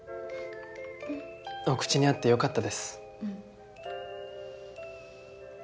お口に合ってよかったです。